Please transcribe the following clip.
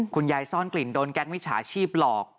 คุณยายซ่อนกลิ่นโดนแก๊งมิจฉาชีพหลอก